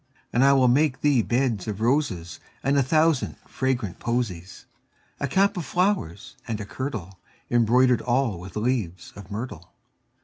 And I will make thee beds of roses And a thousand fragrant posies; 10 A cap of flowers, and a kirtle Embroider'd all with leaves of myrtle.